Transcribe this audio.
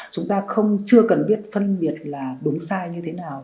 chúng ta không chưa cần biết phân biệt là đúng sai như thế nào